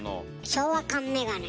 「昭和感メガネ」